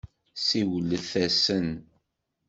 Siwlet-asen.